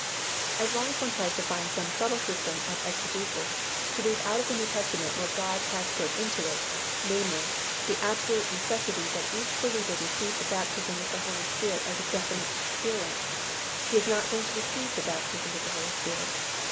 As long as one tries to find some subtle system of exegesis to read out of the New Testament what God has put into it, namely, the absolute necessity that each believer receive the baptism with the Holy Spirit as a definite experience, he is not going to receive the baptism with the Holy Spirit.